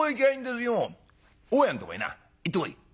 「大家んとこへな行ってこい」。